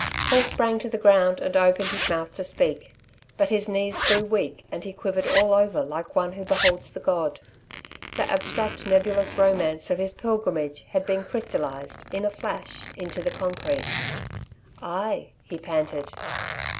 Paul sprang to the ground and opened his mouth to speak. But his knees grew weak and he quivered all over like one who beholds the god. The abstract nebulous romance of his pilgrimage had been crystallized, in a flash, into the concrete. "Ay," he panted.